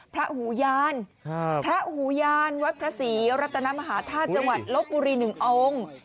หูยานพระหูยานวัดพระศรีรัตนมหาธาตุจังหวัดลบบุรี๑องค์